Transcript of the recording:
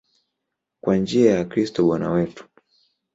Kwa njia ya Kristo Bwana wetu.